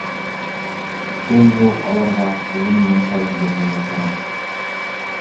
Кер йыуып алырға, үҙен мунса индерергә кәрәк.